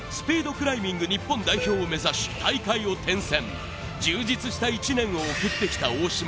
クライミング日本代表を目指し大会を転戦充実した１年を送ってきた大嶋